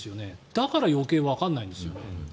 だから、余計わからないんです。